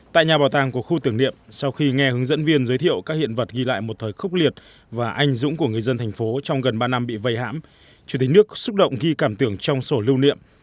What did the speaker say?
tại nhà bảo tàng của khu tưởng niệm sau khi nghe hướng dẫn viên giới thiệu các hiện vật ghi lại một thời khốc liệt và anh dũng của người dân thành phố trong gần ba năm bị vây hãm chủ tịch nước xúc động ghi cảm tưởng trong sổ lưu niệm